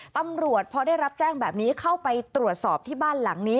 ตำรวจพอได้รับแจ้งแบบนี้เข้าไปตรวจสอบที่บ้านหลังนี้